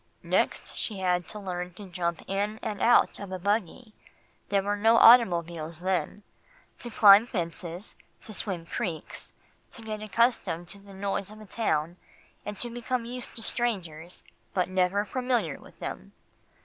"Next she had to learn to jump in and out of a buggy there were no automobiles then to climb fences, to swim creeks, to get accustomed to the noise of a town, and to become used to strangers, but never familiar with them.